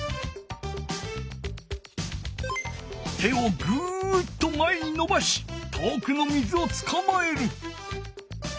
手をグッと前にのばし遠くの水をつかまえる。